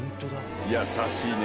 優しいね！